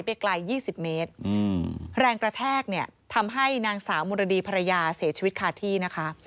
ไปไกล๒๐เมตรแรงกระแทกเนี่ยทำให้นางสาวมรดีภรรยาเสียชีวิตคาที่นะคะ